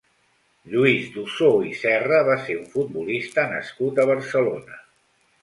Lluís d'Ossó i Serra va ser un futbolista nascut a Barcelona.